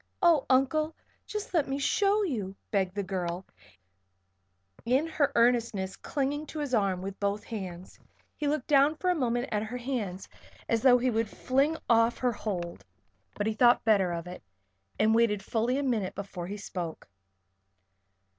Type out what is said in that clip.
"Oh, Uncle! Just let me show you," begged the girl, in her earnestness clinging to his arm with both hands. He looked down for a moment at her hands as though he would fling off her hold. But he thought better of it, and waited fully a minute before he spoke.